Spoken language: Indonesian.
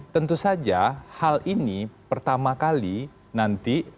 tentu saja hal ini pertama kali nanti